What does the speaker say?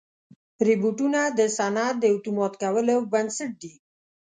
روبوټونه د صنعت د اتومات کولو بنسټ دي.